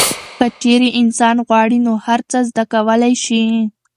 که چیرې انسان غواړي نو هر څه زده کولی شي.